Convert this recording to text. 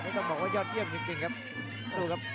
ไม่ต้องบอกว่ายอดเยี่ยมจริงครับ